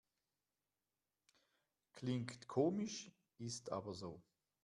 Klingt komisch, ist aber so.